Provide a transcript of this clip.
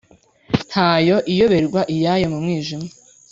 Ntayo iyoberwa iyayo mu mwijima